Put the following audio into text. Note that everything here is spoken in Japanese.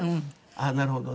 ああなるほどね。